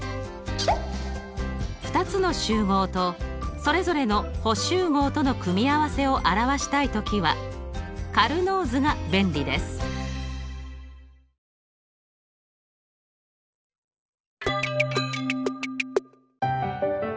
２つの集合とそれぞれの補集合との組み合わせを表したい時はカルノー図が便利です。